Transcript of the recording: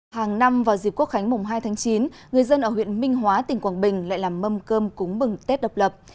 hàng năm vào dịp quốc khánh mùng hai tháng chín người dân ở huyện minh hóa tỉnh quảng bình lại làm mâm cơm cúng bừng tết độc lập